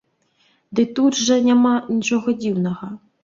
Дык тут жа няма нічога дзіўнага.